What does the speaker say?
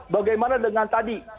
bagaimana dengan tadi